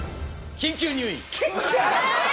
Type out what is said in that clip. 緊急入院！？